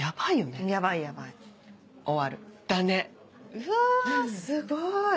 うわすごい。